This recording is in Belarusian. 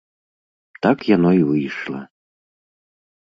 Так яно і выйшла.